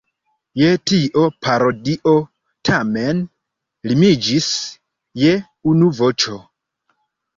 Je tio parodio tamen limiĝis je unu voĉo.